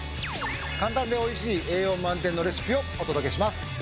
簡単で美味しい栄養満点のレシピをお届けします。